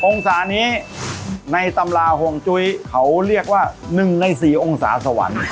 องศานี้ในตำราห่วงจุ้ยเขาเรียกว่า๑ใน๔องศาสวรรค์